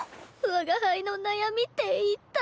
我が輩の悩みって一体。